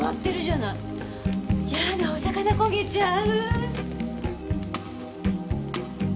やだお魚焦げちゃう。